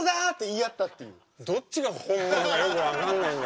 どっちが本物かよく分かんないんだけど。